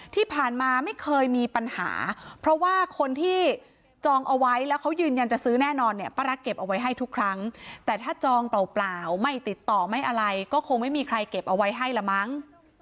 ที่ผ่านมาไม่เคยมีปัญหาเพราะว่าคนที่จองเอาไว้แล้วเขายืนยันจะซื้อแน่นอนเนี่ยป้ารักเก็บเอาไว้ให้ทุกครั้งแต่ถ้าจองเปล่าไม่ติดต่อไม่อะไรก็คงไม่มีใครเก็บเอาไว้ให้ละมั้ง